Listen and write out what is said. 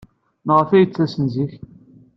Maɣef ay d-ttasen zik?